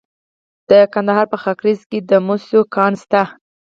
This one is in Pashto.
د کندهار په خاکریز کې د مسو کان شته.